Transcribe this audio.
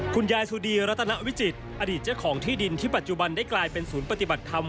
คุณยายสุดีรัตนวิจิตรอดีตเจ้าของที่ดินที่ปัจจุบันได้กลายเป็นศูนย์ปฏิบัติธรรม